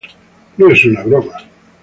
No es una broma.